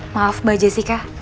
maaf mbak jessica